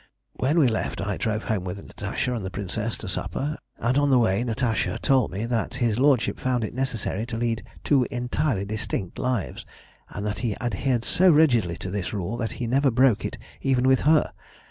"When we left I drove home with Natasha and the Princess to supper, and on the way Natasha told me that his Lordship found it necessary to lead two entirely distinct lives, and that he adhered so rigidly to this rule that he never broke it even with her.